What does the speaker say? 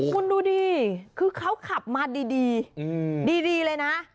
คุณดูดิคือเขาขับมาดีดีเลยนะ